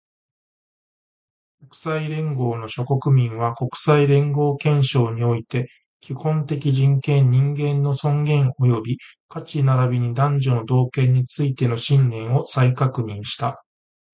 国際連合の諸国民は、国際連合憲章において、基本的人権、人間の尊厳及び価値並びに男女の同権についての信念を再確認した